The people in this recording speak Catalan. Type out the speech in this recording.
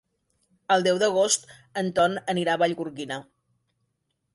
El deu d'agost en Ton anirà a Vallgorguina.